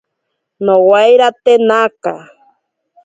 Nowairate naka.